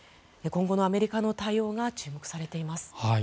今後のアメリカの対応が注目されています。